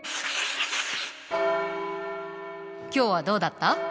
今日はどうだった？